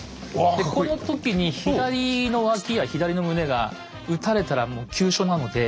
でこの時に左の脇や左の胸がうたれたらもう急所なので。